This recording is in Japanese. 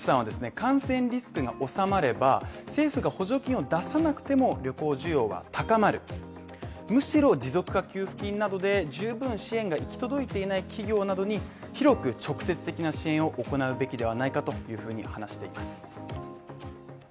感染リスクが収まれば、政府が補助金を出さなくても旅行需要が高まると、むしろ持続化給付金などで十分支援が行き届いていない企業などに広く直接的な支援を行うべきではないかというふうに話しています。